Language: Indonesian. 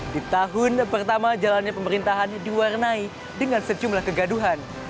di tahun pertama jalannya pemerintahan diwarnai dengan sejumlah kegaduhan